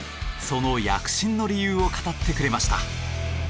その躍進の理由を語ってくれました。